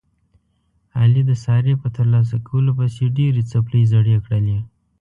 علي د سارې په ترلاسه کولو پسې ډېرې څپلۍ زړې کړلې.